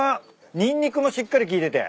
ニンニクもしっかり効いてて。